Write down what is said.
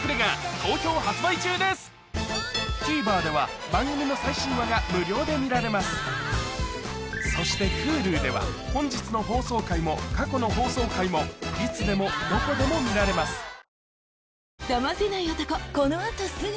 ＴＶｅｒでは番組の最新話が無料で見られますそしてＨｕｌｕでは本日の放送回も過去の放送回もいつでもどこでも見られます